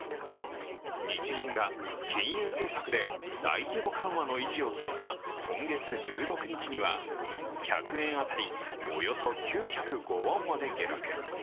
日銀が金融政策で大規模緩和の維持を決めた今月１６日には、１００円当たりおよそ９０５ウォンまで下落。